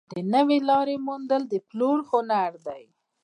د نوې لارې موندل د پلور هنر دی.